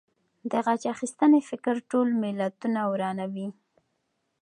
د غچ اخیستنې فکر ټول ملتونه ورانوي.